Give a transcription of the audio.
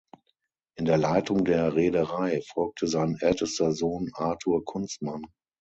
In der Leitung der Reederei folgte sein ältester Sohn Arthur Kunstmann.